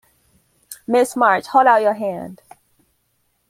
Miss March, hold out your hand.